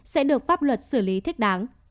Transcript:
sẽ được pháp luật xử lý thích đáng